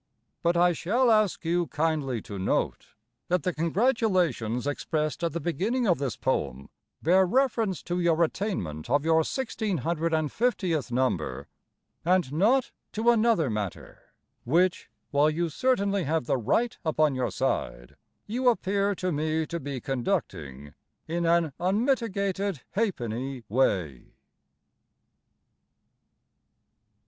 But I shall ask you kindly to note That the congratulations Expressed at the beginning of this poem Bear reference to your attainment of your 1,650th number And not To another matter, Which, While you certainly have the right upon your side, You appear to me to be conducting IN AN UNMITIGATED HA'PENNY WAY.